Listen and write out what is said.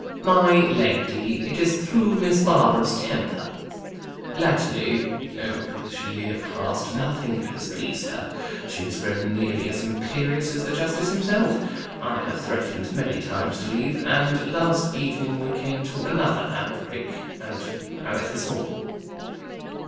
"My lady, it is through Miss Barbara's temper. Latterly oh, for this year past, nothing has pleased her; she had grown nearly as imperious as the justice himself. I have threatened many times to leave, and last evening we came to another outbreak, and I left this morning."